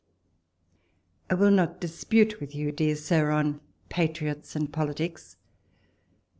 I WILL not dispute with you, dear Sir, on patriots and politics.